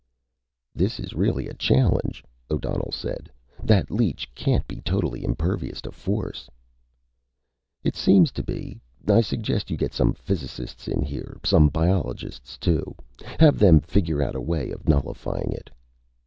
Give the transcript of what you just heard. "This is really a challenge," O'Donnell said. "That leech can't be totally impervious to force." "It seems to be. I suggest you get some physicists in here. Some biologists also. Have them figure out a way of nullifying it."